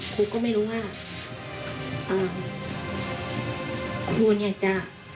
ครูก็ไม่รู้ว่าครูเนี่ยจะ